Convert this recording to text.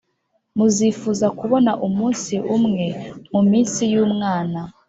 muzifuza kubona umunsi umwe mu minsi y Umwana